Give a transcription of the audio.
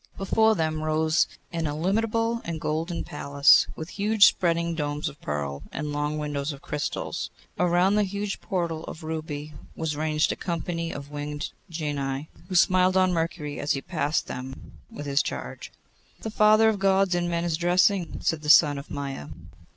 Before them rose an illimitable and golden palace, with high spreading domes of pearl, and long windows of crystal. Around the huge portal of ruby was ranged a company of winged genii, who smiled on Mercury as he passed them with his charge. 'The Father of Gods and men is dressing,' said the son of Maia.